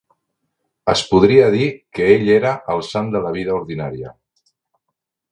Es podria dir que ell era el sant de la vida ordinària.